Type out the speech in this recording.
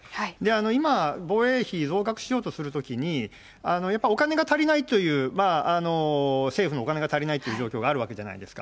今、防衛費増額しようとするときに、やっぱりお金が足りないという、政府のお金が足りないという状況があるわけじゃないですか。